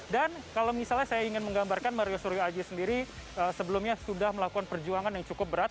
dan kalau misalnya saya ingin menggambarkan mario suryo aji sendiri sebelumnya sudah melakukan perjuangan yang cukup berat